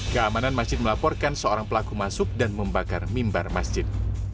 keamanan masjid melaporkan seorang pelaku masuk dan membakar mimbar masjid